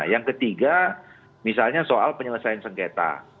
yang ketiga misalnya soal penyelesaian sengketa